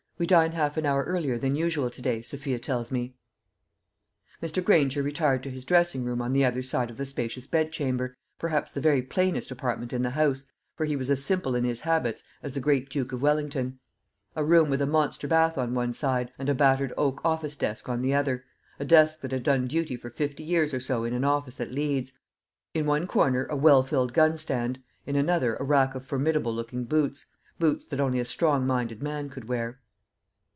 We dine half an hour earlier than usual to day, Sophia tells me." Mr. Granger retired to his dressing room on the other side of the spacious bed chamber, perhaps the very plainest apartment in the house, for he was as simple in his habits as the great Duke of Wellington; a room with a monster bath on one side, and a battered oak office desk on the other a desk that had done duty for fifty years or so in an office at Leeds in one corner a well filled gunstand, in another a rack of formidable looking boots boots that only a strong minded man could wear.